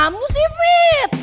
kamu sama tiket gratis murah itu